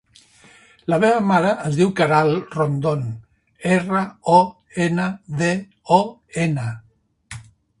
La meva mare es diu Queralt Rondon: erra, o, ena, de, o, ena.